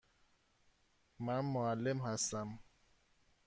من معلم هستم.